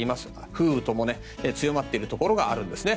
風雨とも強まっているところがあるんですね。